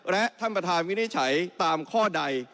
และท่านประธานวินิจฉัยตามข้อใด